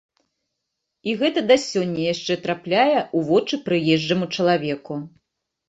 І гэта да сёння яшчэ трапляе ў вочы прыезджаму чалавеку.